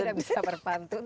tidak bisa berpantun